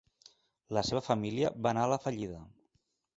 La seva família va anar a la fallida.